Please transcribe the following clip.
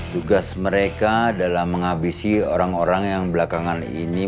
tugas mereka dalam menghabisi orang orang yang belakangan ini